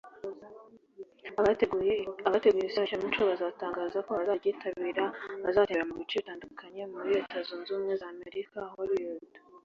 Abateguye iri serukiramuco batangaza ko abazaryitabira bazatembera mu bice bitandukanye muri Leta Zunze Ubumwe za Amerika i Hollywood